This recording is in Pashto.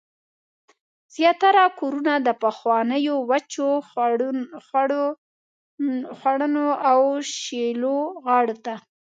زیاتره کورونه د پخوانیو وچو خوړونو او شیلو غاړو ته